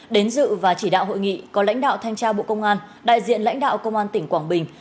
đến dự và chỉ đạo hội nghị có lãnh đạo thanh tra bộ công an đại diện lãnh đạo công an tỉnh quảng bình